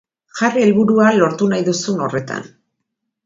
Jarri helburua lortu nahi duzun horretan.